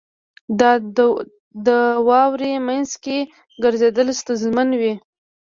• د واورې مینځ کې ګرځېدل ستونزمن وي.